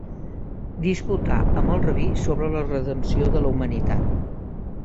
Disputà amb el rabí sobre la redempció de la humanitat.